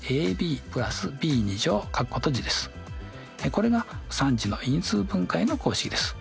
これが３次の因数分解の公式です。